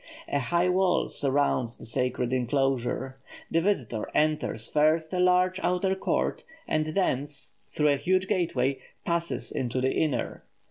A high wall surrounds the sacred enclosure. The visitor enters first a large outer court, and thence, through a huge gateway, passes into the inner.